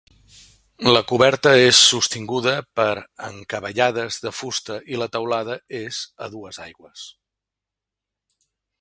La coberta és sostinguda per encavallades de fusta i la teulada és a dues aigües.